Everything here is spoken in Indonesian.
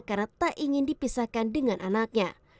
karena tak ingin dipisahkan dengan anaknya